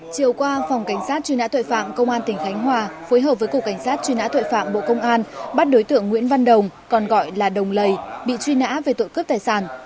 chiều qua phòng cảnh sát truy nã tội phạm công an tỉnh khánh hòa phối hợp với cục cảnh sát truy nã tội phạm bộ công an bắt đối tượng nguyễn văn đồng còn gọi là đồng lầy bị truy nã về tội cướp tài sản